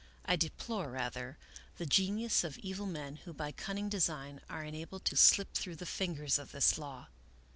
I deplore, rather, the genius of evil men who, by cunning design, are enabled to slip through the fingers of this law.